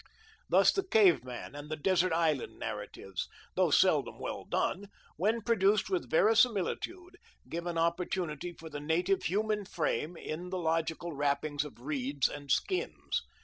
Thus the cave man and desert island narratives, though seldom well done, when produced with verisimilitude, give an opportunity for the native human frame in the logical wrappings of reeds and skins.